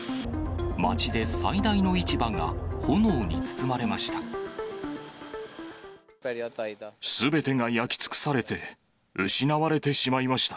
町で最大の市場が炎に包まれました。